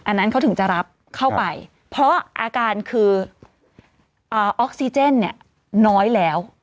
อันนั้นเขาถึงจะรับเข้าไปเพราะอาการคือออกซิเจนเนี่ยน้อยแล้ว